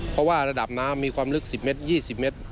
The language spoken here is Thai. เพราะว่าระดับน้ำมีความลึก๑๐เมตร๒๐เมตร